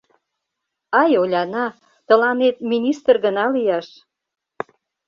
— Ай, Оляна, тыланет министр гына лияш!